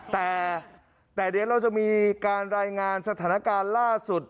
แต่เดี๋ยวเราจะมีการรายงานสถานการณ์ล่าสุด